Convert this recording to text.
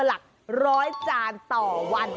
หลักร้อยจานต่อวัน